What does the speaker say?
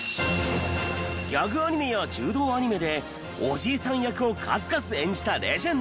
ギャグアニメや柔道アニメでおじいさん役を数々演じたレジェンド。